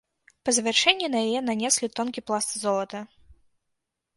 Па завяршэнні на яе нанеслі тонкі пласт золата.